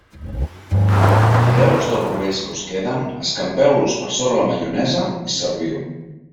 Piqueu els dos rovells que us queden, escampeu-los per sobre la maionesa i serviu.